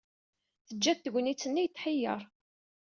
Teǧǧa-t tegnit-nni yetḥeyyeṛ.